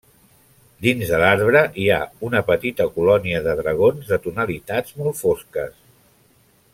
Dins de l'arbre hi ha una petita colònia de dragons de tonalitats molt fosques.